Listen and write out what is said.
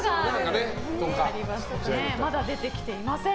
まだ出てきていません。